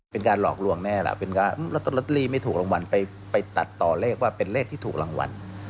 เป็นการหลอกลวงแน่ล่ะเป็นการลอตเตอรี่ไม่ถูกรางวัลไปตัดต่อเลขว่าเป็นเลขที่ถูกรางวัล